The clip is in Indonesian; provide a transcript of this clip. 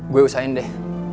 gue usahain deh